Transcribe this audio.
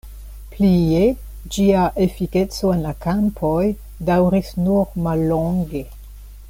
Plie, ĝia efikeco en la kampoj daŭris nur mallonge.